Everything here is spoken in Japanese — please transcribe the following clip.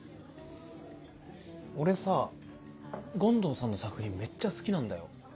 俺さ権藤さんの作品めっちゃ好きなんだよ。